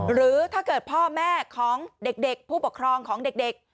หรือถ้าเกิดพ่อแม่ของเด็กผู้ปกครองของเด็ก